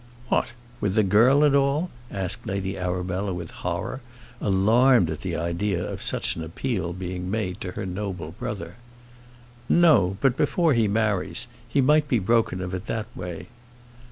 "What! with the girl and all?" asked Lady Arabella with horror, alarmed at the idea of such an appeal being made to her noble brother. "No; but before he marries. He might be broken of it that way."